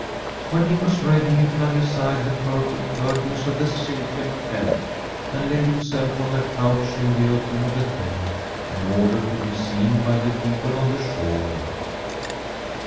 When he was ready he flung aside the pur ple curtains of the silken tent, and laid himself on a couch in the opening of the tent in order to be seen by the people on the shore.